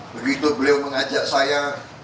begitu beliau mengajak saya